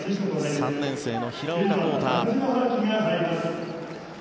３年生の平岡倖汰。